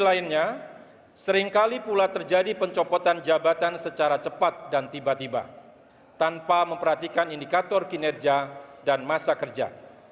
lainnya seringkali pula terjadi pencopotan jabatan secara cepat dan tiba tiba tanpa memperhatikan indikator kinerja dan masa kerja